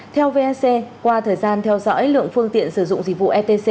theo vec qua thời gian theo dõi lượng phương tiện sử dụng dịch vụ etc